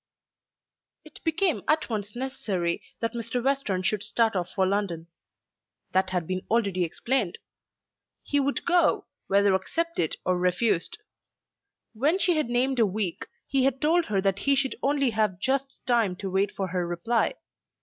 It became at once necessary that Mr. Western should start off for London. That had been already explained. He would go, whether accepted or refused. When she had named a week, he had told her that he should only have just time to wait for her reply.